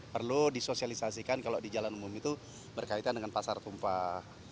perlu disosialisasikan kalau di jalan umum itu berkaitan dengan pasar tumpah